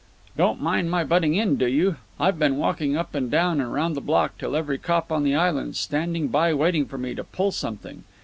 "Don't mind my butting in, do you? I've been walking up and down and round the block till every cop on the island's standing by waiting for me to pull something.